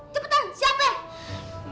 cepetan siapa ya